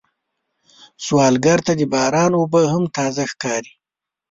سوالګر ته د باران اوبه هم تازه ښکاري